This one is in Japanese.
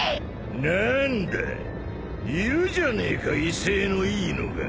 なんだいるじゃねえか威勢のいいのが。